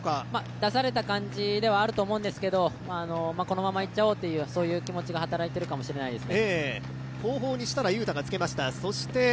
出された感じてはあると思うんですけれども、このままいっちゃうおうというそういう気持ちが働いてるかもしれませんね。